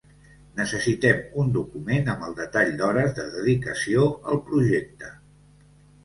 Necessitem un document amb el detall d'hores de dedicació al projecte.